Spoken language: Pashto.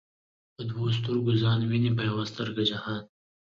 په دوو ستر گو ځان ويني په يوه سترگه جهان